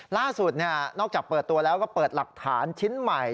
ล่าสุดนอกจากเปิดตัวแล้วก็เปิดหลักฐานชิ้นใหม่